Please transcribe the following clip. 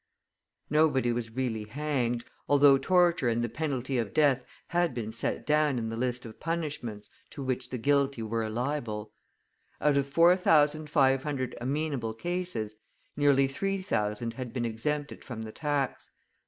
Nobody was really hanged, although torture and the penalty of death had been set down in the list of punishments to which the guilty were liable; out of four thousand five hundred amenable cases, nearly three thousand had been exempted from the tax.